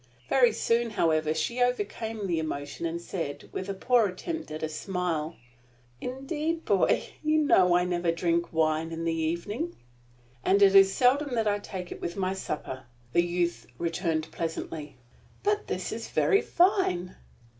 Very soon, however, she overcame the emotion, and said, with a poor attempt at a smile: "Indeed, boy, you know I never drink wine in the evening." "And it is seldom that I take it with my supper," the youth returned, pleasantly. "But this is very fine."